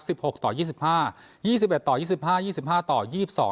หกต่อยี่สิบห้ายี่สิบเอ็ดต่อยี่สิบห้ายี่สิบห้าต่อยี่สิบสอง